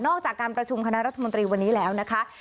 จากการประชุมคณะรัฐมนตรีวันนี้แล้วนะคะ